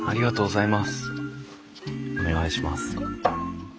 お願いします。